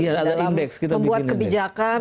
iya ada indeks membuat kebijakan